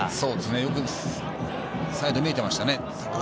よくサイド見えていましたね。